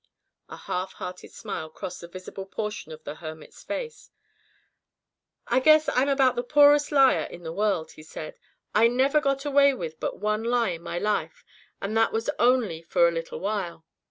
A half hearted smile crossed the visible portion of the hermit's face. "I guess I'm about the poorest liar in the world," he said. "I never got away with but one lie in my life, and that was only for a little while.